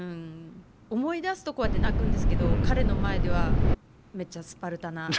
思い出すとこうやって泣くんですけど彼の前ではめっちゃスパルタな。